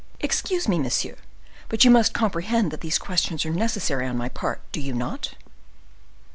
"Excuse me, monsieur; but you must comprehend that these questions are necessary on my part—do you not?"